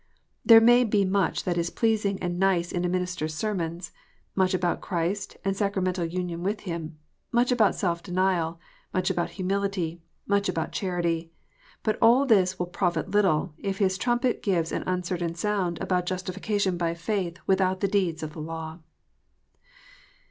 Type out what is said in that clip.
There may be much that is pleasing and nice in a minister s sermons, much about Christ and sacramental union with Him, much about self denial, much about humility, much about charity. But all this will profit little, if his trumpet gives an uncertain sound about justification by faith without the deeds of the law.